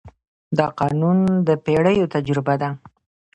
دا قانون د پېړیو تجربه ده.